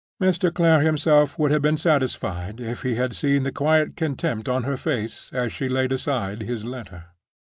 Mr. Clare himself would have been satisfied if he had seen the quiet contempt on her face as she laid aside his letter.